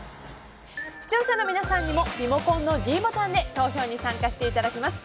視聴者の皆さんにもリモコンのｄボタンで投票に参加していただけます。